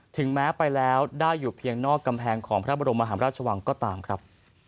ถึงแม้ไปแล้วได้อยู่เพียงนอกกำแพงของพระบรมมหาราชวังก็ตามครับ